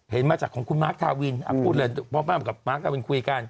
เห็นมาจากของคุณมาร์คทาวินพี่เราคุยกัน